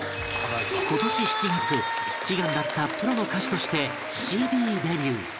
今年７月悲願だったプロの歌手として ＣＤ デビュー